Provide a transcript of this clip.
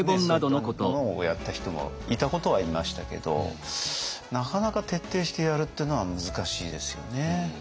そういったものをやった人もいたことはいましたけどなかなか徹底してやるっていうのは難しいですよね。